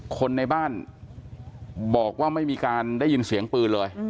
คนในบ้านบอกว่าไม่มีการได้ยินเสียงปืนเลย